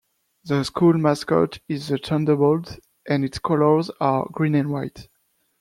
The school mascot is the Thunderbolt, and its colors are green and white.